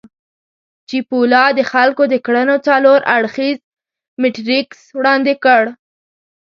چیپولا د خلکو د کړنو څلور اړخييز میټریکس وړاندې کړ.